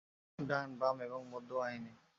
ডান, বাম এবং মধ্য বাহিনী।